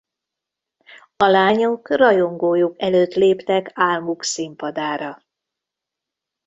A lányok rajongójuk előtt léptek álmuk színpadára.